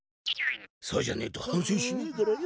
そうじゃねえと反せいしねえからよ